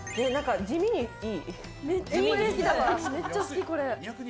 めっちゃ好き、これ。